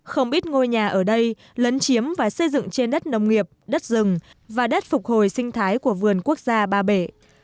không ít ngôi nhà ở đây lấn chiếm và xây dựng trên đất nông nghiệp đất rừng và đất phục hồi sinh thái của vườn quốc gia ba bể